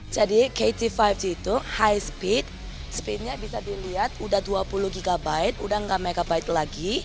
jadi kt lima g itu high speed speednya bisa dilihat udah dua puluh gb udah enggak megabyte lagi